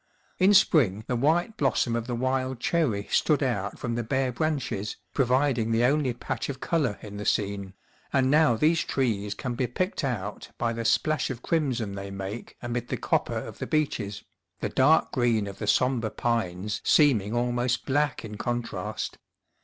In spring the white blossom of the wild cherry stood out from the bare branches, providing the only patch of colour in the scene, and now these trees can be picked out by the splash of crimson they make amid the copper of the beeches, the dark green of the sombre pines seeming almost black in con trast.